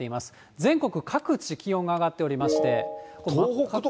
全国各地、気温が上がっておりまして。